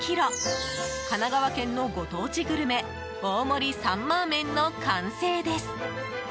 神奈川県のご当地グルメ大盛りサンマーメンの完成です。